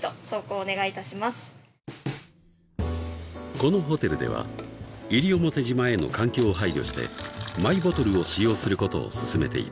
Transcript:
［このホテルでは西表島への環境を配慮してマイボトルを使用することを勧めている］